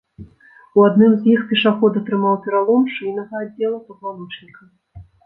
У адным з іх пешаход атрымаў пералом шыйнага аддзела пазваночніка.